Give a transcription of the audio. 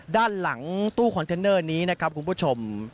ด้านหลังตู้คอนเทนเนอร์นี้นะครับคุณผู้ชม